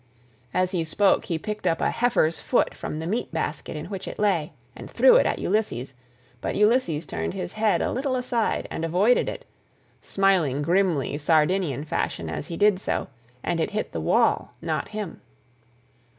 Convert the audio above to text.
As he spoke he picked up a heifer's foot from the meat basket in which it lay, and threw it at Ulysses, but Ulysses turned his head a little aside, and avoided it, smiling grimly Sardinian fashion159 as he did so, and it hit the wall, not him.